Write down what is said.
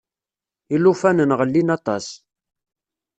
Ilufanen ɣellin aṭas.